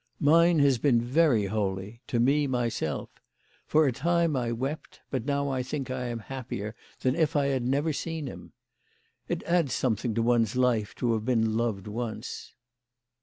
" Mine has been very holy, to me, myself. For a time I wept ; but now I think I am happier than if I had never seen him. It adds something to one's life to have been loved once."